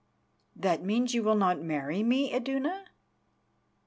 "That means you will not marry me, Iduna?"